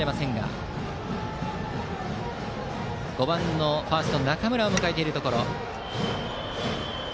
バッターは５番のファースト中村を迎えているところ。